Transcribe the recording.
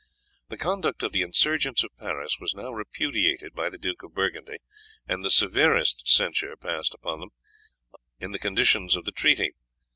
The conduct of the insurgents of Paris was now repudiated by the Duke of Burgundy, and the severest, censure passed upon them, in the conditions of the treaty.